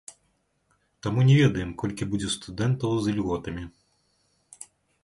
Таму не ведаем, колькі будзе студэнтаў з ільготамі.